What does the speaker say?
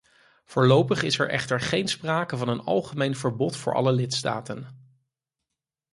Voorlopig is er echter geen sprake van een algemeen verbod voor alle lidstaten.